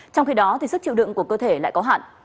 trong khi đó sức chịu đựng của cơ thể lại có hạn